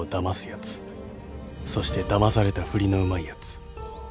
［そしてだまされたふりのうまいやつ］